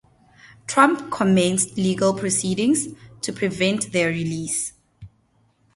Trump commenced legal proceedings to prevent their release.